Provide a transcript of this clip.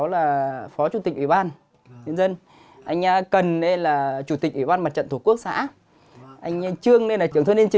đặc biệt là bà con nhân dân ở vùng lũ